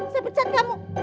saya pecat kamu